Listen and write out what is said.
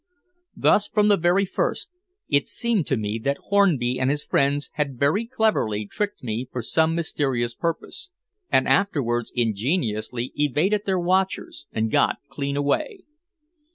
Thus, from the very first, it seemed to me that Hornby and his friends had very cleverly tricked me for some mysterious purpose, and afterwards ingeniously evaded their watchers and got clean away.